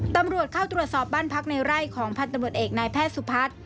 ตำรวจเข้าตรวจสอบบ้านพักในไร่ของพันธบรวจเอกนายแพทย์สุพัฒน์